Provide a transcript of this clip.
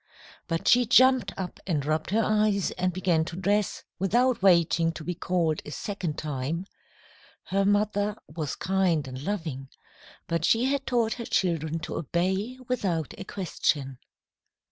But she jumped up and rubbed her eyes and began to dress, without waiting to be called a second time. Her mother was kind and loving, but she had taught her children to obey without a question.